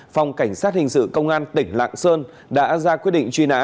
phòng cảnh sát hình sự công an tỉnh lạng sơn đã ra quyết định truy nã